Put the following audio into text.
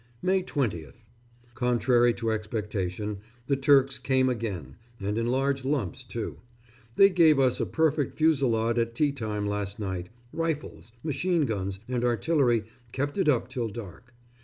May 20th. Contrary to expectation the Turks came again, and in large lumps, too. They gave us a perfect fusillade at tea time last night rifles, machine guns, and artillery kept it up till dark.